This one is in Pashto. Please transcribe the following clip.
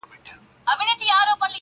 مخ ګلاب لېمه نرګس زلفي سنبل سوې،